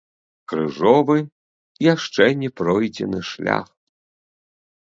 Крыжовы, яшчэ не пройдзены шлях.